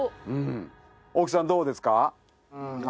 大木さんどうですか？